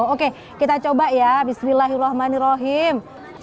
oke kita coba ya bismillahirrahmanirrahim